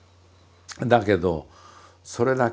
だけどそれだけではね